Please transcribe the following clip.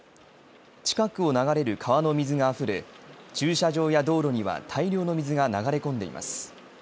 近くを流れる川の水があふれ駐車場や道路には大量の水が流れ込んでいます。